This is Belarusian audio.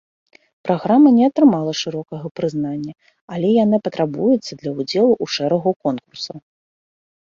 Праграма не атрымала шырокага прызнання, але яна патрабуецца для ўдзелу ў шэрагу конкурсаў.